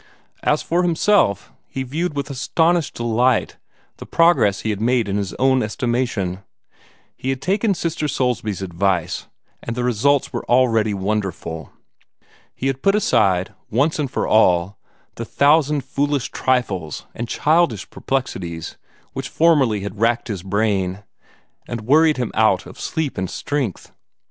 As for himself, he viewed with astonished delight the progress he had made in his own estimation. He had taken Sister Soulsby's advice, and the results were already wonderful. He had put aside, once and for all, the thousand foolish trifles and childish perplexities which formerly had racked his brain, and worried him out of sleep and strength.